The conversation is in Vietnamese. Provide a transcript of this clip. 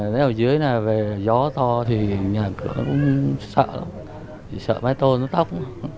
nếu dưới này về gió to thì nhà cửa cũng sợ lắm sợ mái tôn nó tóc